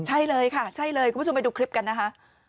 ใช่เลยค่ะใช่เลยคุณผู้ชมไปดูคลิปกันนะคะ